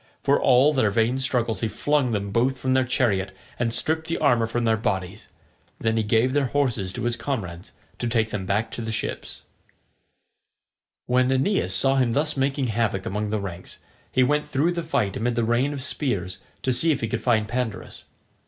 For all their vain struggles he flung them both from their chariot and stripped the armour from their bodies. Then he gave their horses to his comrades to take them back to the ships. When Aeneas saw him thus making havoc among the ranks, he went through the fight amid the rain of spears to see if he could find Pandarus.